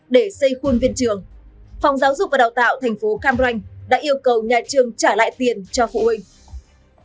để xây khuôn viên trường phòng giáo dục và đào tạo thành phố cam ranh đã yêu cầu nhà trường trả lại tiền cho phụ huynh